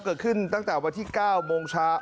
เกิดขึ้นตั้งแต่วันที่๙โมงเช้า